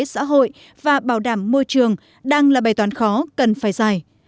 xã hội và bảo đảm môi trường đang là bày toán khó cần phải dài